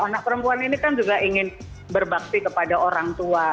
anak perempuan ini kan juga ingin berbakti kepada orang tua